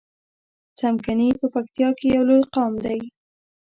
څمکني په پکتیا کی یو لوی قوم دی